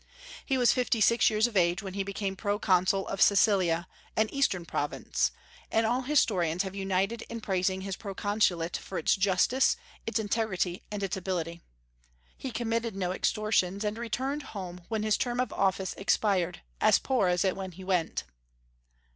He was fifty six years of age when he became Proconsul of Cilicia, an Eastern province; and all historians have united in praising his proconsulate for its justice, its integrity, and its ability. He committed no extortions, and returned home, when his term of office expired, as poor as when he went.